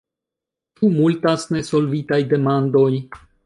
Ĉu multas nesolvitaj demandoj?